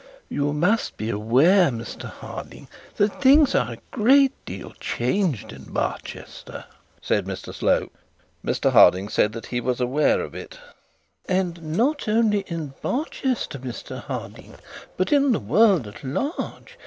'You should be aware, Mr Harding, that things are a good deal changed in Barchester,' said Mr Slope. Mr Harding said that he was aware of it. 'And not only in Barchester, Mr Harding, but in the world at large.